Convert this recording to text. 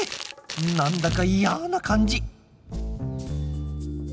何だか嫌な感じ。